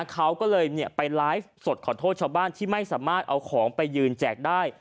เขาก็เลยไปไลฟ์สดขอโทษชาวบ้านที่ไม่สามารถเอาของไปยืนแจกได้